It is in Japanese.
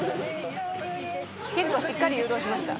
結構しっかり誘導しました。